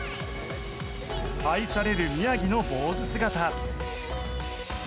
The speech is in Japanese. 愛される宮城の坊主姿。